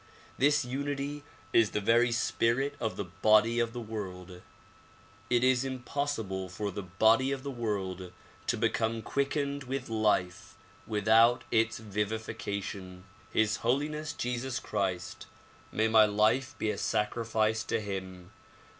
This unity is the very spirit of the body of the world. It is impossible for the body of the world to become quickened with life without its vivification. His Holiness Jesus Christ — may my life be a sacrifice to him